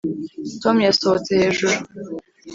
tom yasohotse hejuru